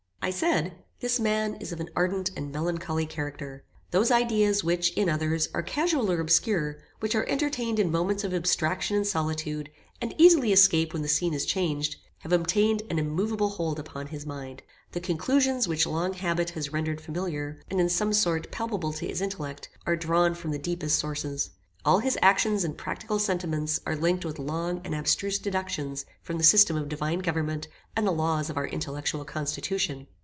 I said, this man is of an ardent and melancholy character. Those ideas which, in others, are casual or obscure, which are entertained in moments of abstraction and solitude, and easily escape when the scene is changed, have obtained an immoveable hold upon his mind. The conclusions which long habit has rendered familiar, and, in some sort, palpable to his intellect, are drawn from the deepest sources. All his actions and practical sentiments are linked with long and abstruse deductions from the system of divine government and the laws of our intellectual constitution.